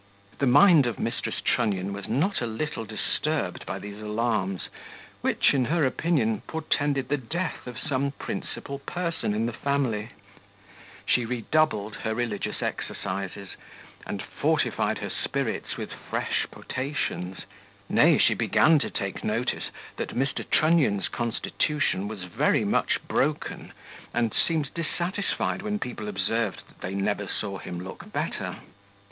The mind of Mrs. Trunnion was not a little disturbed by these alarms, which, in her opinion, portended the death of some principal person in the family; she redoubled her religious exercises, and fortified her spirits with fresh potations; nay, she began to take notice that Mr. Trunnion's constitution was very much broken, and seemed dissatisfied when people observed that they never saw him look better.